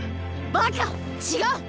バカ違う！